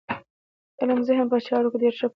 علم ذهن په چارو ډېر ښه پوهېدلی شي.